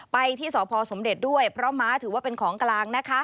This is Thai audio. ไปที่สพสมเด็จด้วยเพราะม้าถือว่าเป็นของกลางนะคะ